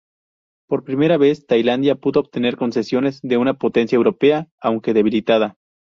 Por primera vez, Tailandia pudo obtener concesiones de una potencia europea, aunque debilitada.